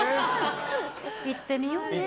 いってみようかね。